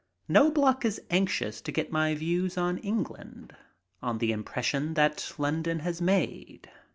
Knobloch is anxious to get my views on England, on the impression that London has made.